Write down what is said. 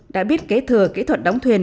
đã biết kế thừa kỹ thuật đóng thuyền